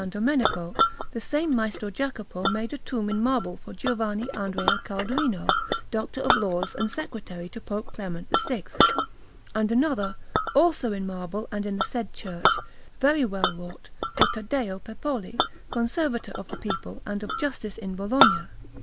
Domenico, the same Maestro Jacopo made a tomb in marble for Giovanni Andrea Calduino, Doctor of Laws and Secretary to Pope Clement VI; and another, also in marble and in the said church, very well wrought, for Taddeo Peppoli, Conservator of the people and of Justice in Bologna.